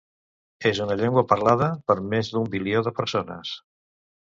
És una llengua parlada per més d'un bilió de persones.